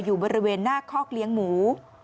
อยู่บริเวณหน้าคอกเลี้ยงหมู